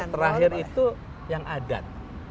terakhir itu yang adat